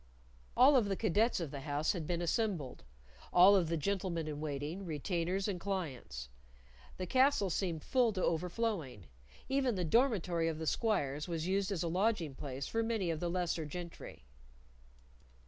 All of the cadets of the House had been assembled; all of the gentlemen in waiting, retainers and clients. The castle seemed full to overflowing; even the dormitory of the squires was used as a lodging place for many of the lesser gentry.